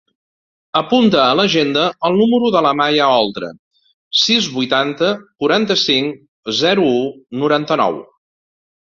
Apunta a l'agenda el número de la Maya Oltra: sis, vuitanta, quaranta-cinc, zero, u, noranta-nou.